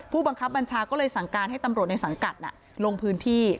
ผู้บังคับบัญชาก็เลยสั่งการให้ตำรวจในสังกัดลงพื้นที่